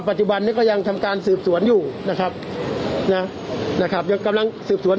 ปัจจุบันนี้ก็ยังทำการสืบสวนอยู่นะครับนะนะครับยังกำลังสืบสวน